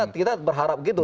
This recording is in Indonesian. kita berharap begitu